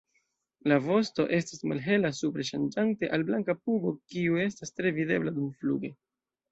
La vosto estas malhela supre ŝanĝante al blanka pugo kiu estas tre videbla dumfluge.